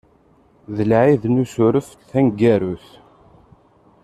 D Lɛid n Usuref taneggarut.